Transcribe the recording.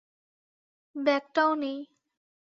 ব্যাগটাও নেই।